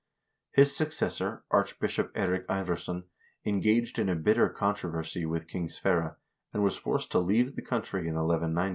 His successor, Archbishop Eirik Ivarsson, engaged in a bitter controversy with King Sverre, and was forced to leave the country in 1 190.